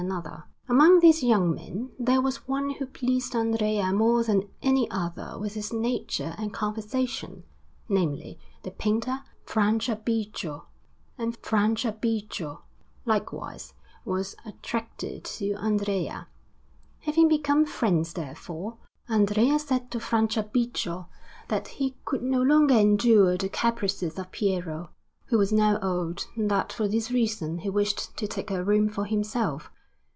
Florence: Uffizi, 93_) Alinari] Among these young men, there was one who pleased Andrea more than any other with his nature and conversation, namely, the painter Franciabigio; and Franciabigio, likewise, was attracted by Andrea. Having become friends, therefore, Andrea said to Franciabigio that he could no longer endure the caprices of Piero, who was now old, and that for this reason he wished to take a room for himself.